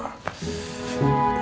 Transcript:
aduh pegel semua